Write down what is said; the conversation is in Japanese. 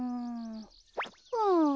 うん。